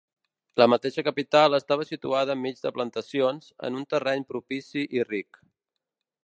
La mateixa capital estava situada enmig de plantacions, en un terreny propici i ric.